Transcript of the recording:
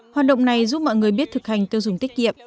hoạt động này giúp mọi người biết thực hành tiêu dùng tiết kiệm